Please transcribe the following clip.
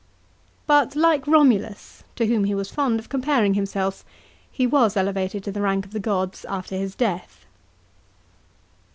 But like Romulus, to whom he was fond of comparing himself, he was elevated to the rank of the gods after his death.